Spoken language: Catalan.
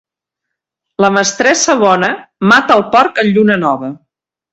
La mestressa bona mata el porc en lluna nova.